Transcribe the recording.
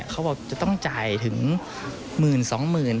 เขาบอกจะต้องจ่ายถึงหมื่นสองหมื่น